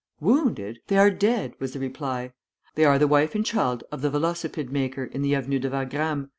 'Wounded! they are dead,' was the reply. 'They are the wife and child of the velocipede maker in the Avenue de Wagram.